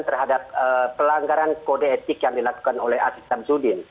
terhadap pelanggaran kode etik yang dilakukan oleh aziz samsudin